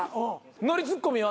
ノリツッコミは？